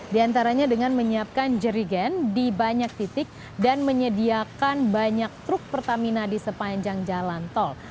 di antaranya dengan menyiapkan jerigen di banyak titik dan menyediakan banyak truk pertamina di sepanjang jalan tol